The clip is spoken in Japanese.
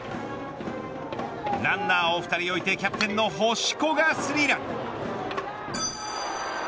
ランナーを２人置いてキャプテンの星子がスリーラン。